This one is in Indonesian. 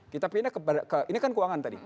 kita pindah kepada ini kan keuangan tadi